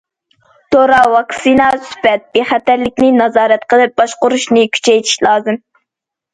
دورا، ۋاكسىنا سۈپەت بىخەتەرلىكىنى نازارەت قىلىپ باشقۇرۇشنى كۈچەيتىش لازىم.